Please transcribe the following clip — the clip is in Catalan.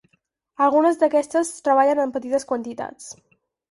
Algunes d'aquestes es treballen en petites quantitats.